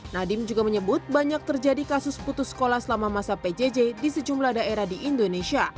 nadiem juga menyebut banyak terjadi kasus putus sekolah selama masa pjj di sejumlah daerah di indonesia